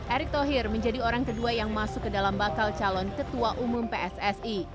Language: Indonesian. erick thohir menjadi orang kedua yang masuk ke dalam bakal calon ketua umum pssi